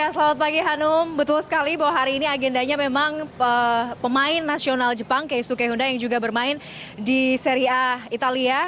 selamat pagi hanum betul sekali bahwa hari ini agendanya memang pemain nasional jepang keisuke honda yang juga bermain di seri a italia